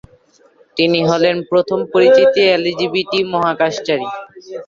তিনি হলেন প্রথম পরিচিত এলজিবিটি মহাকাশচারী।